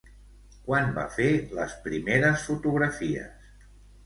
Quan va fer les primeres fotografies?